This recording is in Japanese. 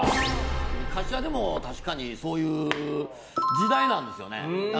昔は確かにそういう時代なんですよね。